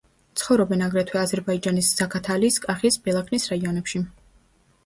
ცხოვრობენ აგრეთვე აზერბაიჯანის ზაქათალის, კახის, ბელაქნის რაიონებში.